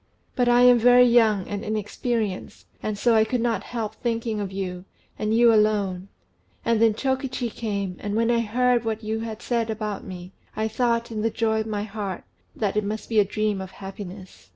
But I am very young and inexperienced, and so I could not help thinking of you, and you alone; and then Chokichi came, and when I heard what you had said about me, I thought, in the joy of my heart, that it must be a dream of happiness."